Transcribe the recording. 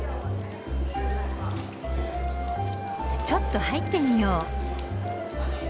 ちょっと入ってみよう。